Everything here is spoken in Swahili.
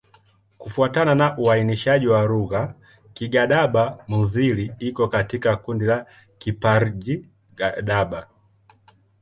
Kufuatana na uainishaji wa lugha, Kigadaba-Mudhili iko katika kundi la Kiparji-Gadaba.